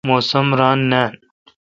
موسم ران نان۔